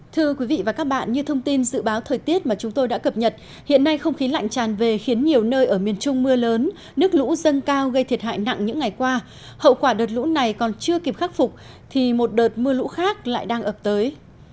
thưa quý vị và các bạn như thông tin dự báo thời tiết mà chúng tôi đã cập nhật hiện nay không khí lạnh tràn về khiến nhiều nơi ở miền trung mưa lớn nước lũ dâng cao gây thiệt hại nặng những ngày qua hậu quả đợt lũ này còn chưa kịp khắc phục thì một đợt mưa lũ khác lại đang ập tới